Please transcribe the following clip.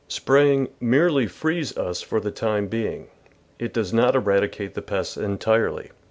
Spraying merely frees us for the time being; it does not eradicate the pests entirely.